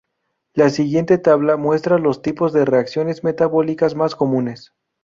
La siguiente tabla muestra los tipos de reacciones metabólicas más comunes.